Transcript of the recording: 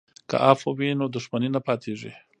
که عفوه وي نو دښمني نه پاتیږي.